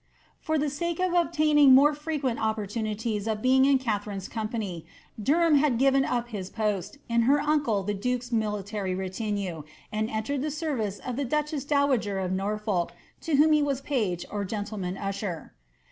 For the sake of obtaining more frequent opportunities of being ia Katharine's company, Derham had given up his post in her uncle die duke's military retinue, and entered the service of the duchess dowager of Norfolk, to whom he was page or gentleman usher.